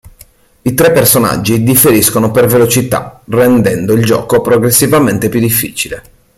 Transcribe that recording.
I tre personaggi differiscono per velocità, rendendo il gioco progressivamente più difficile.